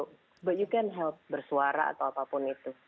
tapi kamu bisa bantu bersuara atau apapun itu